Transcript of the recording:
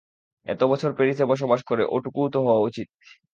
এত বছর প্যারিসে বসবাস করে ওটুকু তো হওয়াই উচিত।